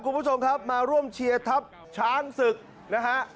คุณผู้ชมครับมาร่วมเชียร์ทัพช้างศึกนะฮะ